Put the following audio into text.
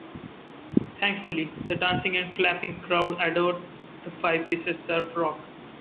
Thankfully, the dancing and clapping crowd adore the five-piece's surf-rock.